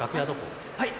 はい？